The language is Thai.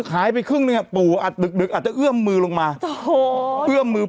หายไปครึ่งหนึ่งอ่ะปู่อัดดึกดึกอาจจะเอื้อมมือลงมาโอ้โหเอื้อมมือ